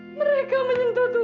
mereka menyentuh tubuhku